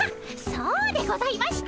そうでございました。